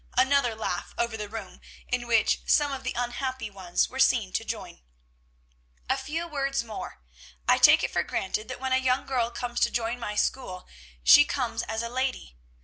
Another laugh over the room, in which some of the unhappy ones were seen to join. "A few words more. I take it for granted that when a young girl comes to join my school, she comes as a lady.